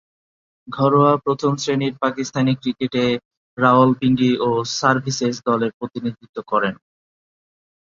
ঘরোয়া প্রথম-শ্রেণীর পাকিস্তানি ক্রিকেটে রাওয়ালপিন্ডি ও সার্ভিসেস দলের প্রতিনিধিত্ব করেন।